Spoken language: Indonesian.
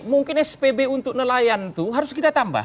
mungkin spb untuk nelayan itu harus kita tambah